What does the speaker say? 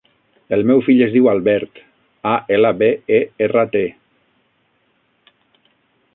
El meu fill es diu Albert: a, ela, be, e, erra, te.